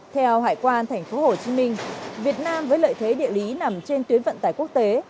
theo hải quan tp hcm việt nam với lợi thế địa lý nằm trên tuyến vận tải quốc tế